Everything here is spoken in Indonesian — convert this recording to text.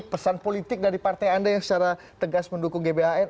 pesan politik dari partai anda yang secara tegas mendukung gbhn